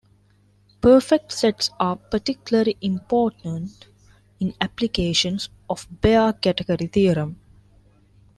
Perfect sets are particularly important in applications of the Baire category theorem.